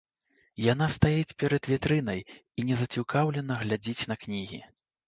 Яна стаіць перад вітрынай і незацікаўлена глядзіць на кнігі.